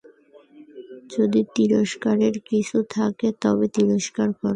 যদি তিরস্কারের কিছু থাকে, তবে তিরস্কার করো।